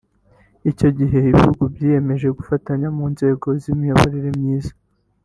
Icyo gihe ibihugu byiyemeje gufatanya mu nzego z’imiyoborere myiza